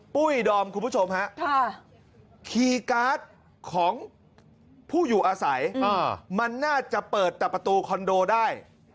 ดอมคุณผู้ชมฮะคีย์การ์ดของผู้อยู่อาศัยมันน่าจะเปิดแต่ประตูคอนโดได้